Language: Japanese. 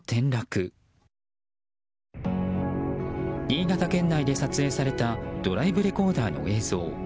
新潟県内で撮影されたドライブレコーダーの映像。